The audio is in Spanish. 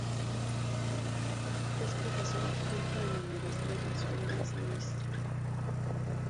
Es profesora adjunta en la Universidad Nacional de San Luis.